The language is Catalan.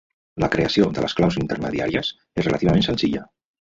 La creació de les claus intermediàries és relativament senzilla.